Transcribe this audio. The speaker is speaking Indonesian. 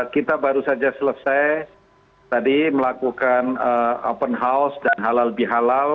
kita baru saja selesai tadi melakukan open house dan halal bihalal